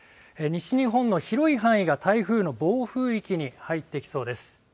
西日本の広い範囲が台風の暴風域に入ってきそうです。